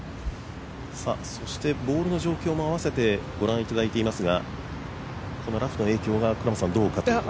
ボールの状況も合わせてご覧いただいていますがラフの影響がどうでしょうか。